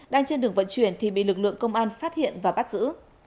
đang trên đường vận chuyển thì bị lực lượng công an phát hiện và bắt giữ